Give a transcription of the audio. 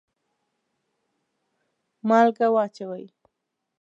مالګه واچوئ